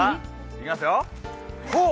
いきますよ、ホッ！